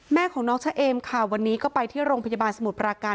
แม่ของน้องชะเอมค่ะวันนี้ก็ไปที่โรงพยาบาลสมุทรปราการ